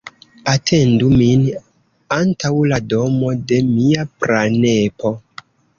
Atendu min antaŭ la domo de mia pranepo.